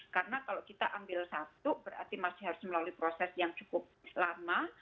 karena kalau kita ambil satu berarti masih harus melalui proses yang cukup lama